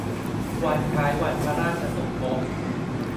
วันคล้ายวันพระราชสมภพ